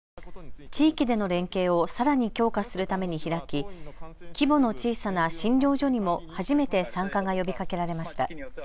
地域での連携をさらに強化するために開き規模の小さな診療所にも初めて参加が呼びかけられました。